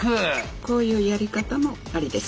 こういうやり方もありです。